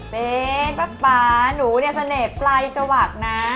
เป็นป๊าหนูเนี่ยเสน่ห์ไตรติดฝากนะ